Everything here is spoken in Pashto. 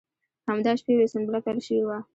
همدا شپې وې سنبله پیل شوې وه.